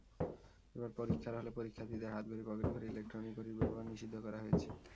এবার পরীক্ষার হলে পরীক্ষার্থীদের হাতঘড়ি, পকেট ঘড়ি, ইলেকট্রনিক ঘড়ির ব্যবহার নিষিদ্ধ করা হয়েছে।